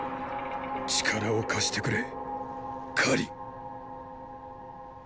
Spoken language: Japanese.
力を貸してくれ燐。